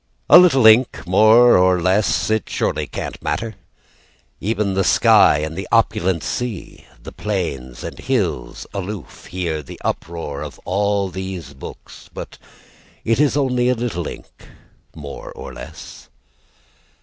A little ink more or less! It surely can't matter? Even the sky and the opulent sea, The plains and the hills, aloof, Hear the uproar of all these books. But it is only a little ink more or less.